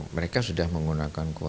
mereka sudah menggunakan wechat